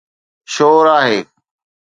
شور آهي.